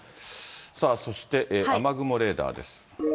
さあ、そして雨雲レーダーです。